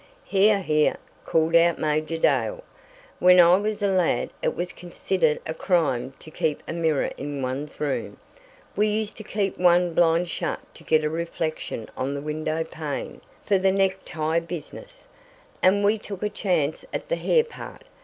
"Here, here!" called out Major Dale. "When I was a lad it was considered a crime to keep a mirror in one's room. We used to keep one blind shut to get a reflection on the window pane for the neck tie business, and we took a chance at the hair part.